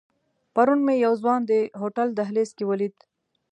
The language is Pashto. پرون مې یو ځوان د هوټل دهلیز کې ولید.